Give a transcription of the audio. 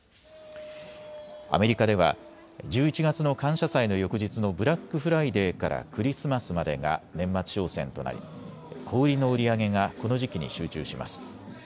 アメリカでは１１月の感謝祭の翌日のブラックフライデーからクリスマスまでが年末商戦となり小売りの売り上げがこの時期に集中します。